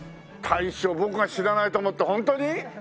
大将僕が知らないと思って本当に？